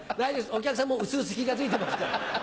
お客さんもうすうす気が付いてますから。